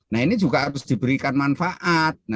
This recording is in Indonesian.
nah ini juga harus diberikan manfaat